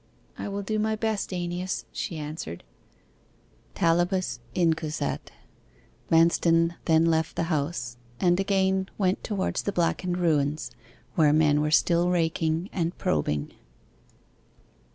'I will do my best, AEneas,' she answered. Talibus incusat. Manston then left the house, and again went towards the blackened ruins, where men were still raking and probing.